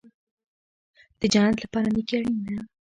د جنت لپاره نیکي اړین ده